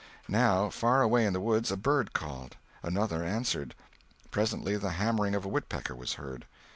Now, far away in the woods a bird called; another answered; presently the hammering of a woodpecker was heard.